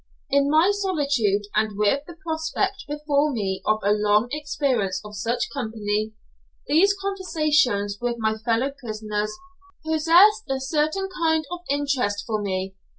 In my solitude, and with the prospect before me of a long experience of such company, these conversations with my fellow prisoners, possessed a certain kind of interest for me.